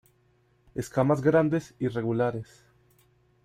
Escamas grandes y regulares.